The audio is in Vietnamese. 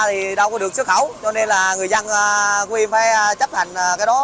thì đâu có được xuất khẩu cho nên là người dân của mình phải chấp hành cái đó